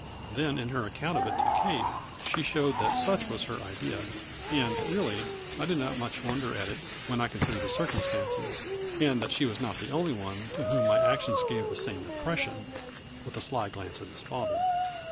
Then in her account of it to Kate she showed that such was her idea, and, really, I do not much wonder at it when I consider the circum stances, and that she was not the only one to whom my actions gave the same impression," with a sly glance at his father.